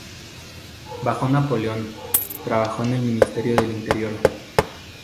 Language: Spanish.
Bajo Napoleón, trabajó en el Ministerio del Interior.